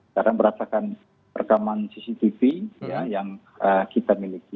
karena merasakan rekaman cctv yang kita miliki